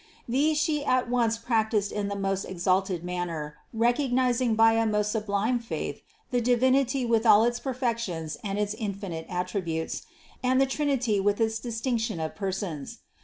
These She at once practiced in the most ex alted manner recognizing by a most sublime faith the Divinity with all its perfections and its infinite attributes, and the Trinity with its distinction of Persons.